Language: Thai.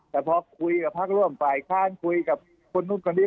แต่พอคุยกับพักร่วมฝ่ายค้างคุยกับคนหนุ่มกันดี